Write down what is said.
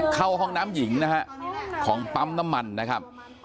เข้าห้องน้ำหญิงนะฮะของปั๊มน้ำมันนะครับ